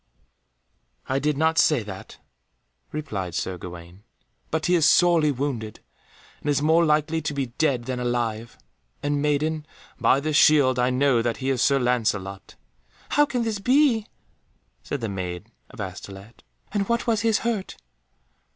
"I did not say that," replied Sir Gawaine, "but he is sorely wounded, and is more likely to be dead than alive. And, maiden, by this shield I know that he is Sir Lancelot." "How can this be?" said the Maid of Astolat, "and what was his hurt?"